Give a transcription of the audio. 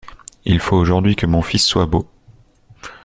Il faut aujourd’hui que mon fils soit beau.